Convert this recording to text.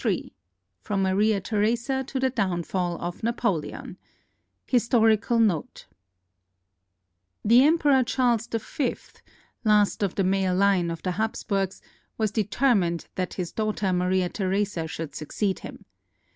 Ill FROM MARIA THERESA TO THE DOWNFALL OF NAPOLEON HISTORICAL NOTE The Emperor Charles V, last of the male line of the Haps burgs, was determined that his daughter Maria Theresa should succeed him.